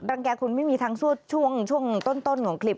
แก่คุณไม่มีทางสู้ช่วงต้นของคลิป